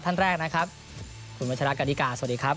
ท่านแรกนะครับคุณวัชรากณิกาสวัสดีครับ